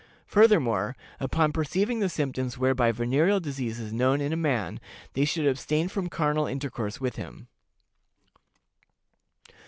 Furthermore, upon perceiving the symptoms whereby venereal disease is known in a man, they should abstain from carnal intercourse with him.